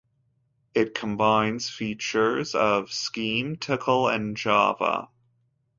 It combines features of Scheme, Tcl, and Java.